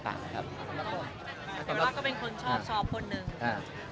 คุณว่าก็เป็นคนชอบคนหนึ่ง